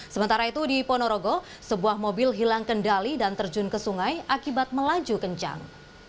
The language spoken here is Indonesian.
sementara itu di ponorogo sebuah mobil hilang kendali dan terjun ke sungai akibat melaju kencang